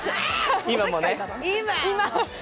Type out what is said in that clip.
今もね。